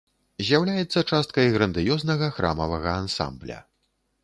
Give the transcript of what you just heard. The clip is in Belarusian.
З'яўляецца часткай грандыёзнага храмавага ансамбля.